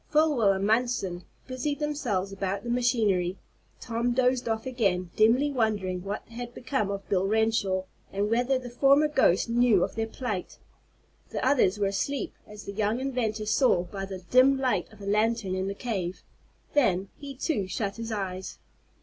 Folwell and Munson busied themselves about the machinery. Tom dozed off again, dimly wondering what had become of Bill Renshaw, and whether the former ghost knew of their plight. The others were asleep, as the young inventor saw by the dim light of a lantern in the cave. Then, he too, shut his eyes.